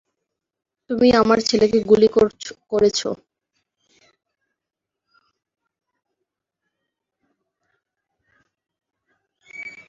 তুমি আমার ছেলেকে গুলি করেছো!